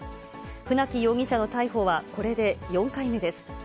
船木容疑者の逮捕はこれで４回目です。